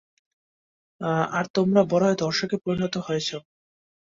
আর তোমরা বড় হয়ে ধর্ষকে পরিণত হয়েছো।